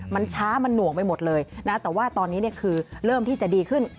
มันช้ามันหน่วงไปหมดเลยนะแต่ว่าตอนนี้คือเริ่มที่จะดีขึ้น